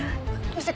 見せて。